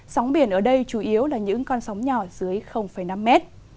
sóng biển ở đây chủ yếu là những con sóng nhỏ dưới năm mét